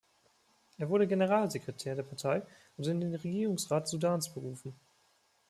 Er wurde Generalsekretär der Partei und in den Regierungsrat Sudans berufen.